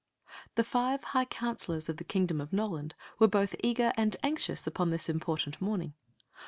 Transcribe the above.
The five high counselors of the kingdom of Noland were both eager and anxious upon ^is important morning.